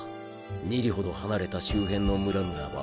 ２里ほど離れた周辺の村々は。